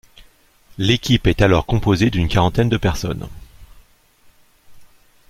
L’équipe est alors composée d’une quarantaine de personnes.